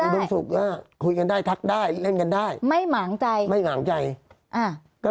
บุญสุขก็คุยกันได้ทักได้เล่นกันได้ไม่หมางใจไม่หมางใจอ่าก็